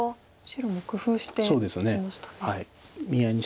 白も工夫して打ちましたね。